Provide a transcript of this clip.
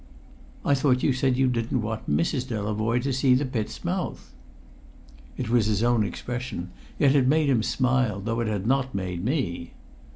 "I thought you said you didn't want Mrs. Delavoye to see the pit's mouth?" It was his own expression, yet it made him smile, though it had not made me.